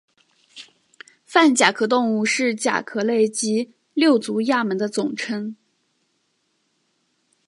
泛甲壳动物是甲壳类及六足亚门的总称。